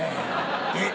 えっ。